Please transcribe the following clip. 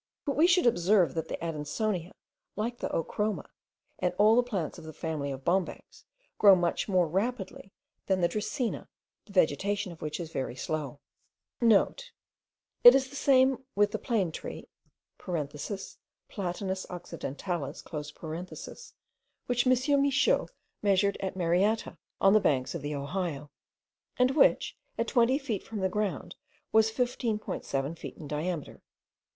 But we should observe, that the Adansonia, like the ochroma, and all the plants of the family of bombax, grow much more rapidly* than the dracaena, the vegetation of which is very slow. (* It is the same with the plane tree (Platanus occidentalis) which M. Michaux measured at Marietta, on the banks of the Ohio, and which, at twenty feet from the ground, was 15.7 feet in diameter.